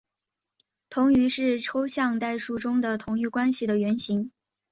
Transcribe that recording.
同余是抽象代数中的同余关系的原型。